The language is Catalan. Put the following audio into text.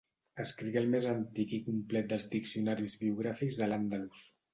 Escrigué el més antic i complet dels diccionaris biogràfics d'al-Àndalus.